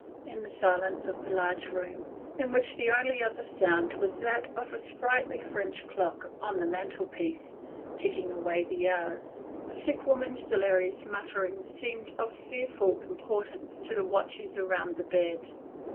In the silence of the large bedroom, in which the only other sound was that of the sprightly French clock on the mantelpiece, ticking away the hours, the sick woman's delirious mutterings seemed of fearful importance to the watchers round the bed.